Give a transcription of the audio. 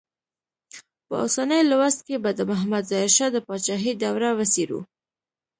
په اوسني لوست کې به د محمد ظاهر شاه د پاچاهۍ دوره وڅېړو.